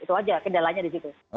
itu aja kendalanya di situ